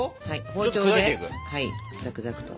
包丁ではいザクザクと。